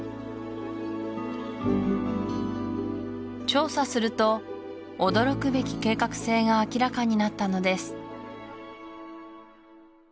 調査すると驚くべき計画性が明らかになったのです